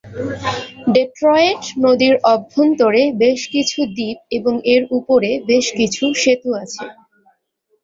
Detroit নদীর অভ্যন্তরে বেশ কিছু দ্বীপ এবং এর উপরে বেশ কিছু সেতু আছে।